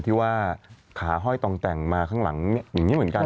ที่ว่าขาห้อยต่องแต่งมาข้างหลังอย่างนี้เหมือนกัน